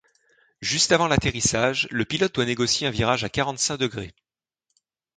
Juste avant l'atterrissage, le pilote doit négocier un virage à quarante-cinq degrés.